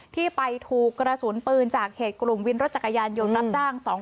ที่ไปถูกรสูญปืนจากเขตกลุ่มวิรถรถจักรยานยงรับจ้าง